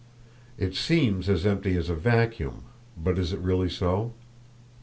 It seems as empty as a vacuum, but is it really so?